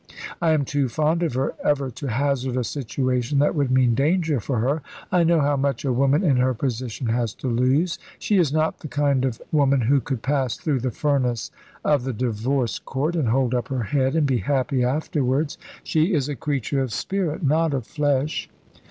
I am too fond of her ever to hazard a situation that would mean danger for her. I know how much a woman in her position has to lose. She is not the kind of woman who could pass through the furnace of the divorce court, and hold up her head and be happy afterwards. She is a creature of spirit, not of flesh.